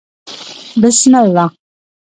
بسم الله